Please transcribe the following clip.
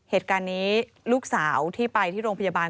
เหตุการณ์นี้ลูกสาวที่ไปที่โรงพยาบาล